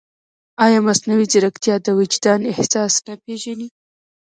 ایا مصنوعي ځیرکتیا د وجدان احساس نه پېژني؟